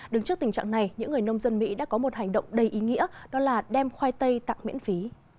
đứng trước tình trạng này những người nông dân mỹ đã có một hành động đầy ý nghĩa đó là đem khoai tây tặng miễn phí